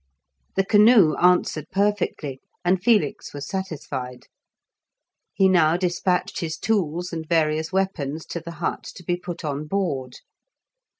The canoe answered perfectly, and Felix was satisfied. He now despatched his tools and various weapons to the hut to be put on board.